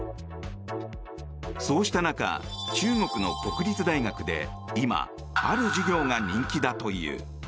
そうした中、中国の国立大学で今、ある授業が人気だという。